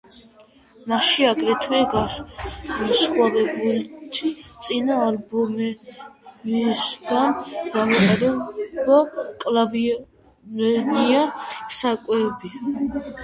მასში აგრეთვე, განსხვავებით წინა ალბომებისგან, გამოიყენება კლავიშებიანი საკრავები.